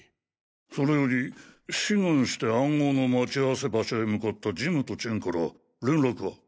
それより志願して暗号の待ち合わせ場所へ向かったジムとチェンから連絡は？